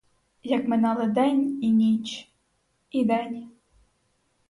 Як минали день і ніч, і день.